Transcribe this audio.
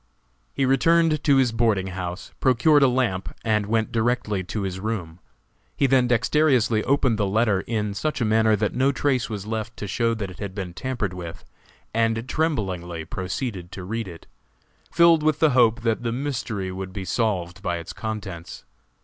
He returned to his boarding house, procured a lamp and went directly to his room. He then dexterously opened the letter in such a manner that no trace was left to show that it had been tampered with, and tremblingly proceeded to read it, filled with the hope that the mystery would be solved by its contents.